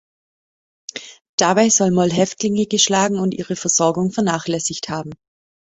Dabei soll Moll Häftlinge geschlagen und ihre Versorgung vernachlässigt haben.